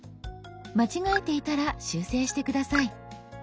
間違えていたら修正して下さい。